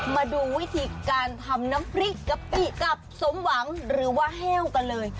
มาดูวิธีการทำน้ำพริกกะปิกับสมหวังหรือว่าแห้วกันเลย